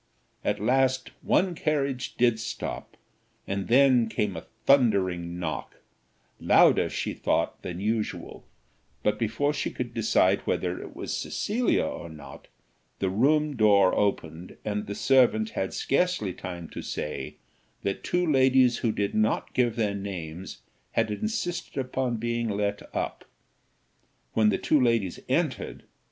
At last one carriage did stop, and then came a thundering knock louder, she thought, than usual; but before she could decide whether it was Cecilia or not, the room door opened, and the servant had scarcely time to say, that two ladies who did not give their names had insisted upon being let up when the two ladies entered.